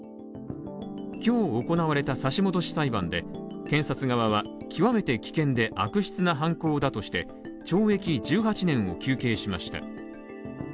今日、行われた差し戻し裁判で検察側は極めて危険で悪質な犯行だとして懲役１８年を求刑しました。